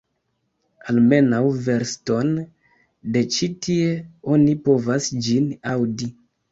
Almenaŭ verston de ĉi tie oni povas ĝin aŭdi!